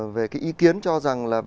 về cái ý kiến cho rằng là